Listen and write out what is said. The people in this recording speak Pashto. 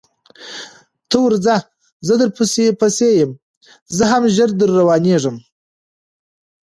ته ورځه زه در پسې یم زه هم ژر در روانېږم